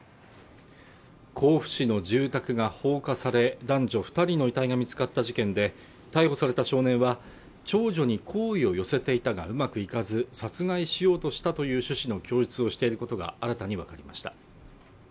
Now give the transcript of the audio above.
甲府市の住宅が放火され男女二人の遺体が見つかった事件で逮捕された少年は長女に好意を寄せていたがうまくいかず殺害しようとしたという趣旨の供述をしていることが新たに分かりました